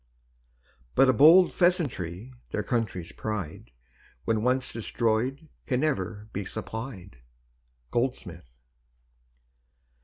But a bold pheasantry, their country's pride When once destroyed can never be supplied. GOLDSMITH.